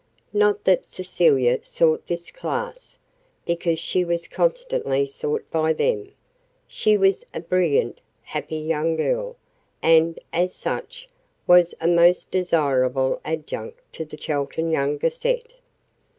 Not that Cecilia sought this class, because she was constantly sought by them she was a brilliant, happy young girl, and, as such, was a most desirable adjunct to the Chelton younger set.